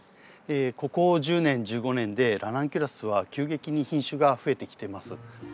ここ１０年１５年でラナンキュラスは急激に品種が増えてきてます。